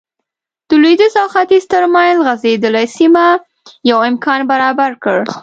د لوېدیځ او ختیځ ترمنځ غځېدلې سیمه یو امکان برابر کړ.